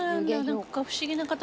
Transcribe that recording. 不思議な形。